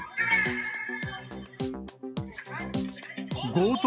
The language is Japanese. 強盗！